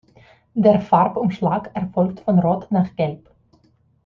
Der Farbumschlag erfolgt von Rot nach Gelb.